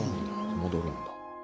戻るんだ。